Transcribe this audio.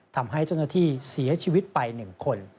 ทำให้เจ้าหน้าที่เสียชีวิตไป๑คน